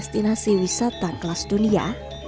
destinasi wisata kelas dunia